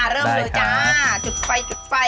เริ่มเลยจ๊ะจุดไฟ